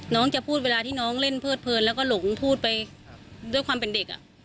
จะพูดเวลาที่น้องเล่นเพิดเพลินแล้วก็หลงพูดไปด้วยความเป็นเด็ก